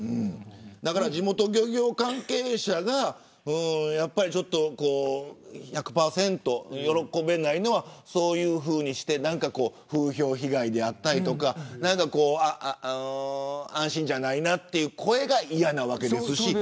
だから地元漁業関係者が１００％喜べないのはそういうふうにして風評被害であったり安心じゃないなという声が嫌なわけですし。